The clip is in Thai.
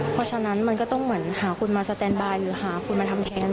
เพราะฉะนั้นมันก็ต้องเหมือนหาคุณมาสแตนบายหรือหาคุณมาทำแค้น